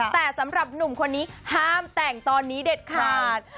แต่สำหรับหนุ่มคนนี้ห้ามแต่งตอนนี้เด็ดขาด